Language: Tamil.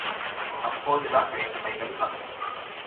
அப்போதுதான் வேற்றுமைகள் அகலும்.